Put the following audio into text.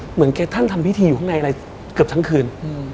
เหมือนแกท่านทำพิธีอยู่ข้างในอะไรเกือบทั้งคืน